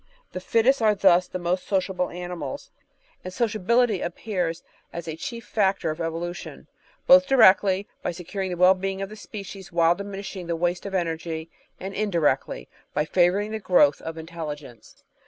The fittest are thus the most sociable animals, and sociability appears as the Natural Hlstoty 515 chief factor of evolution, both directly, by securing the well being of the species while diminishing the waste of energy, and indirectly, by favouring the growth of in telligence.